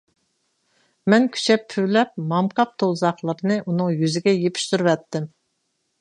مەن كۈچەپ پۈۋلەپ، مامكاپ توزغاقلىرىنى ئۇنىڭ يۈزىگە يېپىشتۇرۇۋەتتىم.